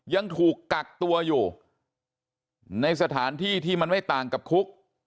ยังถูกกักตัวอยู่ในสถานที่ที่มันไม่ต่างกับคุก